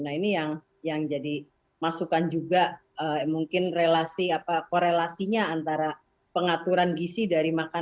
nah ini yang jadi masukan juga mungkin korelasinya antara pengaturan gisi dari makanan